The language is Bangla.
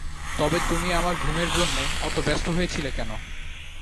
তবে তুমি আমার ঘুমের জন্যে অত ব্যস্ত হয়েছিলে কেন।